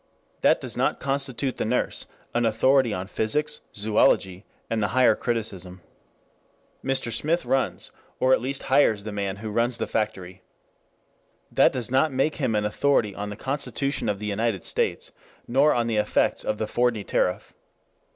That does not constitute the nurse an authority on physics, zoology, and the Higher Criticism. Mr. Smith runs, or at least hires, the man who runs the factory. That does not make him an authority on the Constitution of the United States, nor on the effects \of the Fordney tariff.